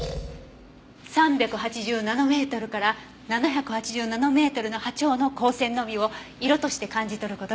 ３８０ナノメートルから７８０ナノメートルの波長の光線のみを色として感じ取る事が出来る。